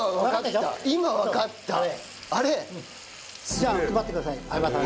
じゃあ配ってください相葉さん。